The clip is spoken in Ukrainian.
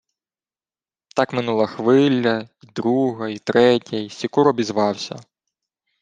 Так минула хвиля, й друга, й третя, й Сікур обізвався: